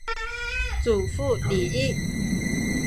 祖父李毅。